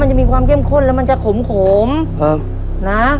จะมีความเข้มข้นแล้วมันจะขมนะ